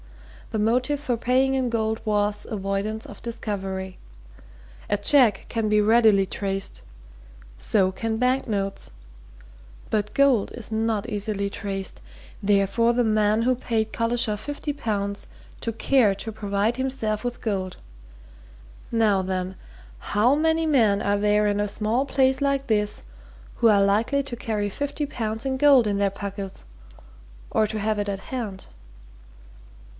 The motive for paying in gold was avoidance of discovery. A cheque can be readily traced. So can banknotes. But gold is not easily traced. Therefore the man who paid Collishaw fifty pounds took care to provide himself with gold. Now then how many men are there in a small place like this who are likely to carry fifty pounds in gold in their pockets, or to have it at hand?"